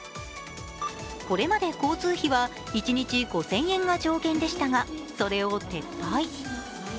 これまで交通費は、一日５０００円が上限でしたが、それを撤廃。